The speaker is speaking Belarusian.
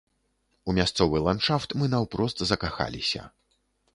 У мясцовы ландшафт мы наўпрост закахаліся.